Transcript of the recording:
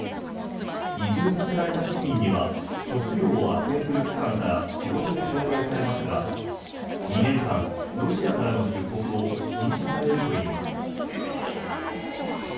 移住させられた市民には職業をあっせんする機関から仕事を紹介されますが２年間、ロシアからの出国を禁止されるといいます。